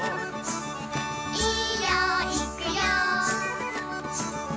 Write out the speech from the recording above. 「いいよいくよ！」